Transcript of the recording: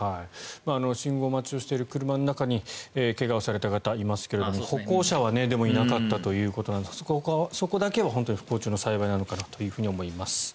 信号待ちをしている車の中に怪我をされた方がいますが歩行者はいなかったということなのでそこだけは本当に不幸中の幸いなのかなと思います。